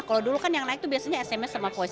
kalau dulu kan yang naik tuh biasanya sms sama kua